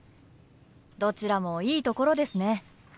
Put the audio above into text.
どちらもいいところですね。